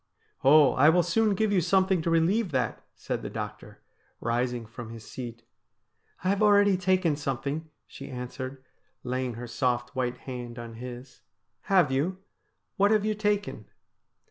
' Oh, I will soon give you something to relieve that,' said the doctor, rising from his seat. ' I've already taken something,' she answered, laying her soft white hand on his. ' Have you ? What have you taken